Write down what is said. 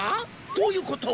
どういうこと？